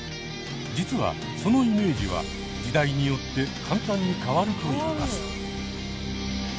実はそのイメージは時代によって簡単に変わると言います。